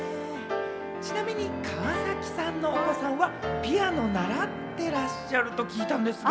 ちなみに川崎さんのお子さんはピアノを習ってらっしゃると聞いたんですが？